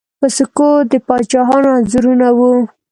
په سکو د پاچاهانو انځورونه وو